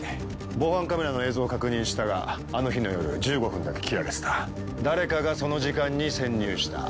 防犯カメラの映像を確認したがあの日の夜１５分だけ切られてた誰かがその時間に潜入した。